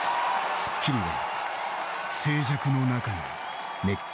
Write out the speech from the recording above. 『スッキリ』は静寂の中の熱狂。